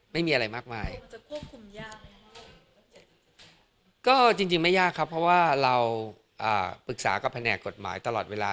ไม่มีอะไรมากมายก็จริงไม่ยากครับเพราะว่าเราปรึกษากับแผนกกฎหมายตลอดเวลา